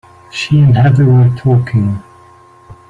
She and Heather were talking.